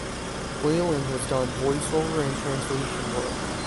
Weiland has done voiceover and translation work.